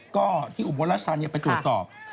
ก็ที่อุบัติธรรมนี้ไปตรวจสอบ